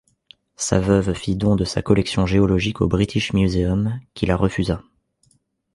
Sa veuve fit don de sa collection géologique au British Museum, qui la refusa.